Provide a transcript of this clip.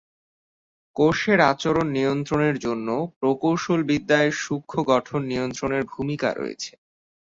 কোষের আচরণ নিয়ন্ত্রণের জন্য প্রকৌশলবিদ্যায় সূক্ষ্ম গঠন নিয়ন্ত্রণের ভূমিকা রয়েছে।